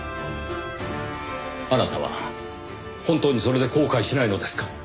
あなたは本当にそれで後悔しないのですか？